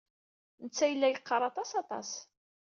Netta yella yeqqar aṭas, aṭas.